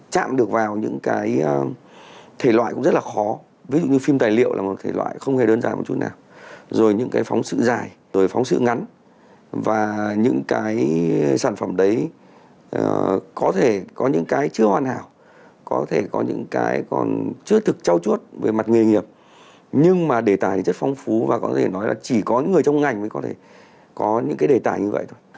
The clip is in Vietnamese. chạm được vào những cái thể loại cũng rất là khó ví dụ như phim tài liệu là một thể loại không hề đơn giản một chút nào rồi những cái phóng sự dài rồi phóng sự ngắn và những cái sản phẩm đấy có thể có những cái chưa hoàn hảo có thể có những cái còn chưa thực trao chuốt về mặt nghề nghiệp nhưng mà đề tài thì rất phong phú và có thể nói là chỉ có những người trong ngành mới có thể có những cái đề tài như vậy thôi